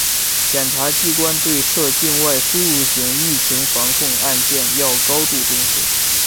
检察机关对涉境外输入型疫情防控案件要高度重视